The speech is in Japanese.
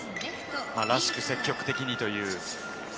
らしく積極的にという。